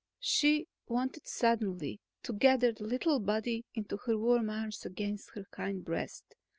She wanted suddenly to gather the little body into her warm arms, against her kind breast.